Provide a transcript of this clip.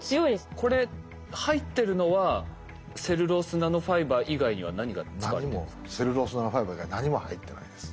これ入ってるのはセルロースナノファイバー以外には何が使われているんですか？